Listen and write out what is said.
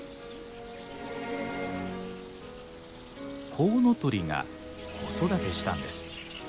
コウノトリが子育てしたんです。